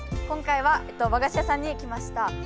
今回は和菓子屋さんに来ました。